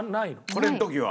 これの時は？